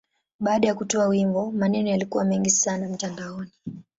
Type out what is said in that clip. Baada ya kutoa wimbo, maneno yalikuwa mengi sana mtandaoni.